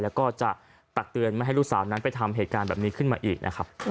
แล้วก็จะตักเตือนไม่ให้ลูกสาวนั้นไปทำเหตุการณ์แบบนี้ขึ้นมาอีกนะครับ